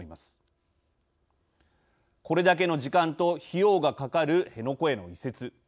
これだけの時間と費用がかかる辺野古への移設。